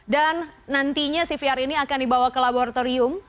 dan nantinya cvr ini akan dibawa ke laboratorium